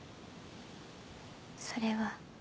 それは。